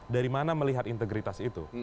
dari mana melihat integritas itu